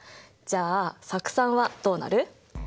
じゃあ酢酸はどうなる？